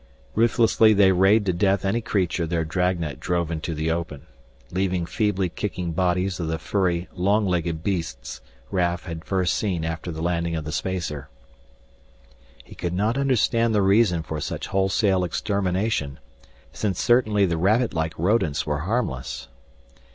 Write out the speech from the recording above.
Ruthlessly they rayed to death any creature their dragnet drove into the open, leaving feebly kicking bodies of the furry, long legged beasts Raf had first seen after the landing of the spacer. He could not understand the reason for such wholesale extermination, since certainly the rabbitlike rodents were harmless.